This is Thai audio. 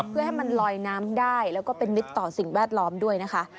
เพื่อให้มันลอยน้ำได้แล้วก็เป็นมิตรต่อสิ่งแวดล้อมด้วยนะคะ